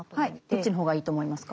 どっちの方がいいと思いますか？